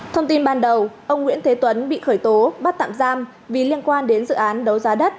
thông tin ban đầu ông nguyễn thế tuấn bị khởi tố bắt tạm giam vì liên quan đến dự án đấu giá đất